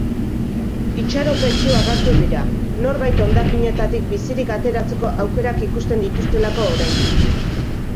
Itxaropentsu agertu dira, norbait hondakinetatik bizirik ateratzeko aukerak ikusten dituztelako oraindik.